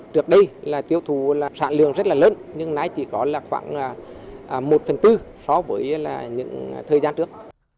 trước đây tiêu thụ sản lượng rất là lớn nhưng nay chỉ có khoảng một phần tư so với những thời gian trước